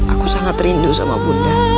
aku sangat merindukanmu